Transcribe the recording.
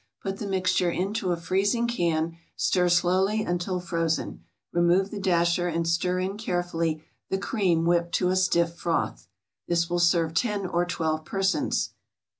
Put the mixture into a freezing can, stir slowly until frozen. Remove the dasher and stir in carefully the cream whipped to a stiff froth. This will serve ten or twelve persons.